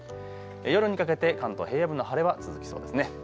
夜にかけて関東、平野部の晴れは続きそうですね。